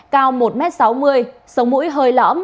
cao một m sáu mươi sống mũi hơi lõm